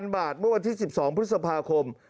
บาทเมื่อวันที่๑๒พฤษภาคม